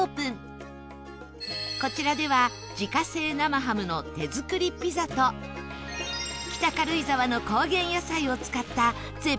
こちらでは自家製生ハムの手作りピザと北軽井沢の高原野菜を使った絶品グルメをいただきます